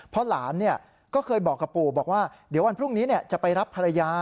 เพราะหลานก็เคยบอกกับปู่บอกว่าเดี๋ยววันพรุ่งนี้จะไปรับภรรยา